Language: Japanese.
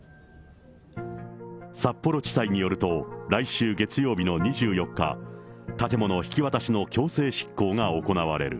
札幌地裁によると、来週月曜日の２４日、建物引き渡しの強制執行が行われる。